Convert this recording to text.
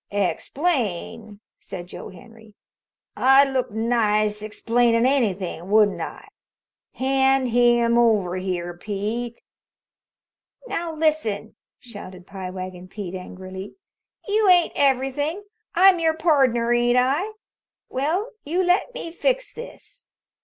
"Explain?" said Joe Henry. "I'd look nice explainin' anything, wouldn't I? Hand him over here, Pete." "Now, listen," shouted Pie Wagon Pete angrily. "You ain't everything. I'm your pardner, ain't I? Well, you let me fix this."